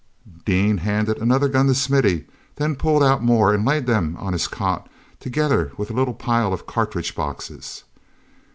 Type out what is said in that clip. Dean handed another gun to Smithy, then pulled out more and laid them on his cot together with a little pile of cartridge boxes.